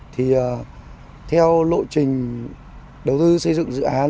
thì theo lộ trình đầu tư xây dựng dự án